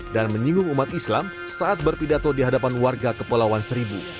dan menyinggung umat islam saat berpidato di hadapan warga kepelawan seribu